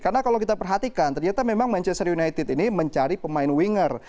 karena kalau kita perhatikan ternyata memang manchester united ini mencari pemain winger